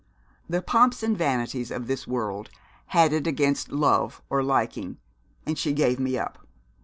The pomps and vanities of this world had it against love or liking, and she gave me up.